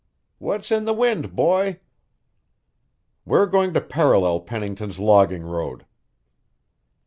"What's in the wind, boy?" "We're going to parallel Pennington's logging road."